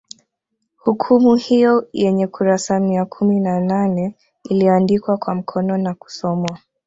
Hukumu hiyo yenye kurasa mia kumi na nane iliyoandikwa kwa mkono nakusomwa